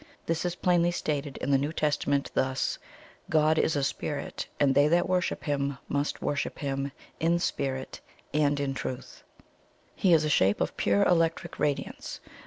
This is plainly stated in the New Testament thus: 'God is a SPIRIT, and they that worship Him must worship Him IN SPIRIT and in truth.' "He is a Shape of pure Electric Radiance.